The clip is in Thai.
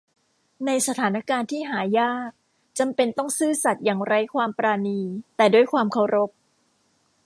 ในสถานการณ์ที่หายากจำเป็นต้องซื่อสัตย์อย่างไร้ความปราณี แต่ด้วยความเคารพ